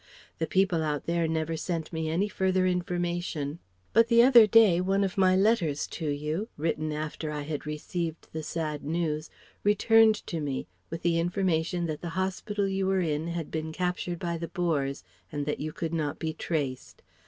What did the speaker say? The people out there never sent me any further information; but the other day one of my letters to you (written after I had received the sad news) returned to me, with the information that the hospital you were in had been captured by the Boers and that you could not be traced.